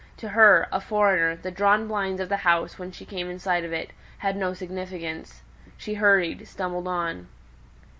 To her, a foreigner, the drawn blinds of the house, when she came in sight of it, had no significance; she hurried, stumbled on.